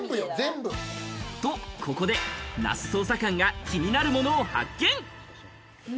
ここで那須捜査官が気になるものを発見。